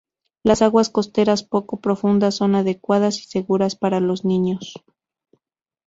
Las aguas costeras poco profundas son adecuadas y seguras para los niños.